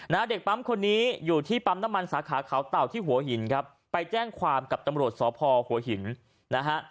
เด็กปั๊มคนนี้อยู่ที่ปั๊มน้ำมันสาขาเขาเต่าที่หัวหินครับไปแจ้งความกับตำรวจสพหัวหินนะฮะ